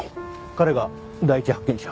彼が第一発見者？